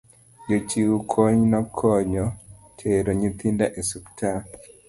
jochiw kony nokonyo tero nyithindo e ospital